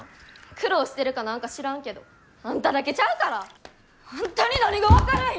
苦労してるかなんか知らんけどあんただけちゃうから！あんたに何が分かるんや！